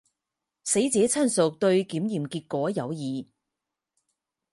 死者亲属对检验结果有异。